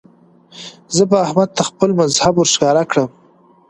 زه به احمد ته خپل مذهب ور ښکاره کړم.